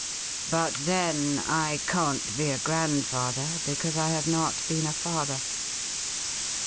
But, then, I can't be a grandfather, because I have not been a father.'